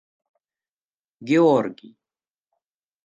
Георгий